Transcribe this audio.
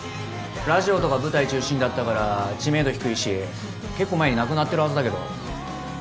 ラジオとか舞台中心だったから知名度低いし結構前に亡くなってるはずだけど。